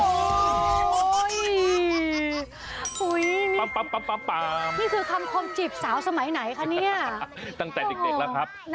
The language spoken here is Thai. นี่คือคำคมจิบสาวสมัยไหนคะตั้งแต่เด็กแล้วครับ